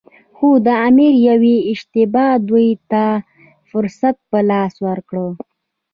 خو د امیر یوې اشتباه دوی ته فرصت په لاس ورکړ.